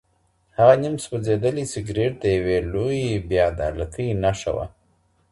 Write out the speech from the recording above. هغه نیم سوځېدلی سګرټ د یوې لویې بې عدالتۍ نښه وه.